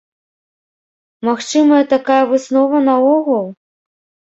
Магчымая такая выснова наогул?